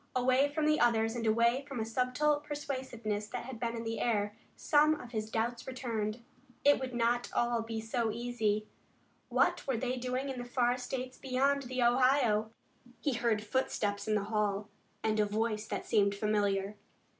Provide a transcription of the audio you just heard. Away from the others and away from a subtle persuasiveness that had been in the air, some of his doubts returned. It would not all be so easy. What were they doing in the far states beyond the Ohio? He heard footsteps in the hail and a voice that seemed familiar.